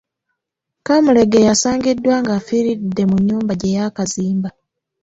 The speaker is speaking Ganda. Kaamulegeya asangiddwa nga afiiridde mu nnyumba ye gye yaakazimba.